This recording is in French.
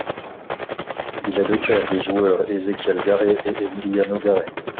Il est le père des joueurs Ezequiel Garré et Emiliano Garré.